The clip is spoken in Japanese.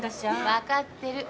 分かってる。